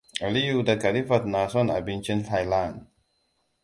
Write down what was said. Aliyu da Khalifat na son abincin Thailand.